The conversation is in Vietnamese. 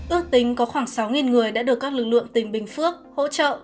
ước tính có khoảng sáu người đã được các lực lượng tỉnh bình phước hỗ trợ